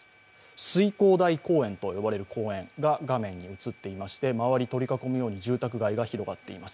翠光台公園と呼ばれる公園が画面に映ってまして周りを取り囲むように住宅街が広がっています。